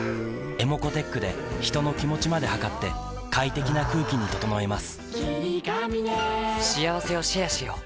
ｅｍｏｃｏーｔｅｃｈで人の気持ちまで測って快適な空気に整えます